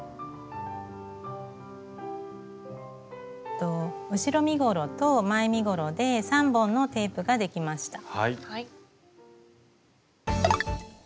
えっと後ろ身ごろと前身ごろで３本のテープができました。